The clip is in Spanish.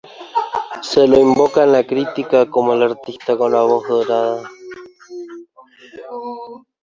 Se lo invoca, en la crítica, como el artista con la voz dorada.